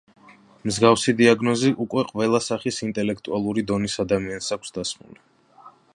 მსგავსი დიაგნოზი უკვე ყველა სახის ინტელექტუალური დონის ადამიანს აქვს დასმული.